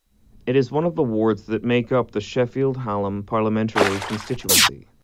It is one of the wards that make up the Sheffield Hallam parliamentary constituency.